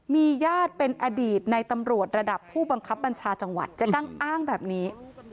มีญาติเป็นอดีตในตำรวจระดับผู้บังคับบัญชาจังหวัดเจ๊กั้งอ้างแบบนี้